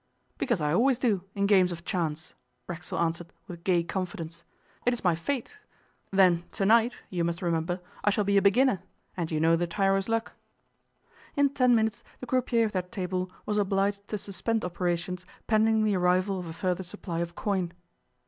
'Because I always do, in games of chance,' Racksole answered with gay confidence. 'It is my fate. Then to night, you must remember, I shall be a beginner, and you know the tyro's luck.' In ten minutes the croupier of that table was obliged to suspend operations pending the arrival of a further supply of coin.